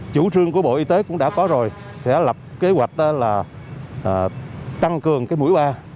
chủ trương của bộ y tế cũng đã có rồi sẽ lập kế hoạch là tăng cường mũi a